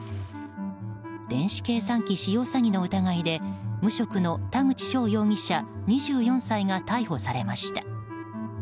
電子計算機使用詐欺の疑いで無職の田口翔容疑者、２４歳が逮捕されました。